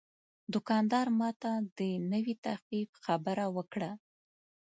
دوکاندار ماته د نوې تخفیف خبره وکړه.